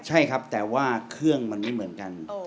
ใช่ครับแต่ว่าเครื่องมันไม่เหมือนกัน